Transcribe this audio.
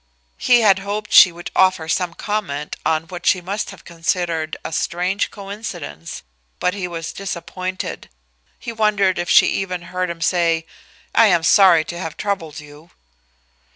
He had, hoped she would offer some comment on what she must have considered a strange coincidence, but he was disappointed. He wondered if she even heard him say: "I am sorry to have troubled you."